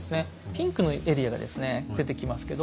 ピンクのエリアがですね出てきますけど。